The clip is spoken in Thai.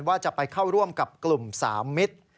ว่าจะไปเข้าร่วมกับกลุ่ม๓มิตร